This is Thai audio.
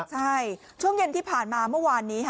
ใช่ช่วงเย็นที่ผ่านมาเมื่อวานนี้